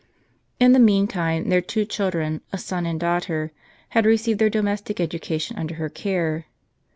In the meantime their two children, a son and daugh ter, had received their domestic education under her care.